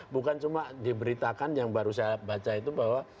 bukan cuma diberitakan yang baru saya baca itu bahwa